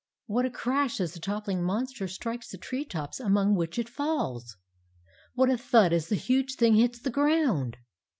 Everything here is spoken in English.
What a crash as the toppling monster strikes the tree tops among which it falls! What a thud as the huge thing hits the ground!